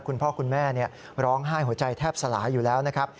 คุณพ่อคุณแม่ร้องไห้หัวใจแทบสลายอยู่แล้วนะครับ